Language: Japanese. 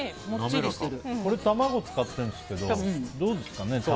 これ卵使ってるんですけどどうですかね？